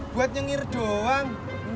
buat nyengir doang